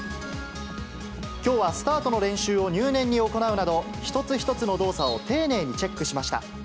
きょうはスタートの練習を入念に行うなど、一つ一つの動作を丁寧にチェックしました。